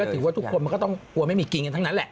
ถือว่าทุกคนมันก็ต้องกลัวไม่มีกินกันทั้งนั้นแหละ